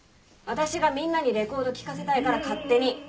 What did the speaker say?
私がみんなにレコード聴かせたいから勝手に。